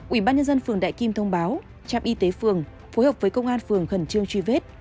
ủy ban nhân dân phường đại kim thông báo trạm y tế phường phối hợp với công an phường khẩn trương truy vết